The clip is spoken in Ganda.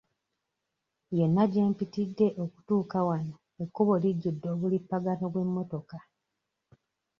Yonna gye mpitidde okutuuka wano ekkubo lijjudde obulipagano bw'emmotoka.